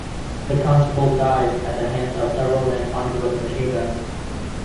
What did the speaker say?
The Constable dies at the hands of several men armed with machine guns.